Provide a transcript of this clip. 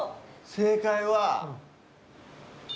正解は。